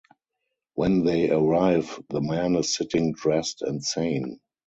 When they arrive the man is sitting dressed and sane.